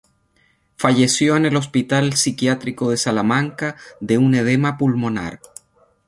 Falleció en el Hospital Psiquiátrico de Salamanca de un edema pulmonar.